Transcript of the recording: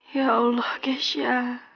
ya allah kesha